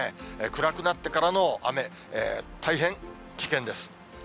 暗くなってからの雨、大変危険です。